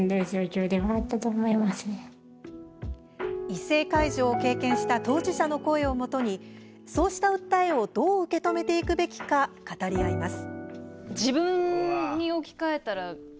異性介助を経験した当事者の声をもとにそうした訴えをどう受け止めていくべきか語り合います。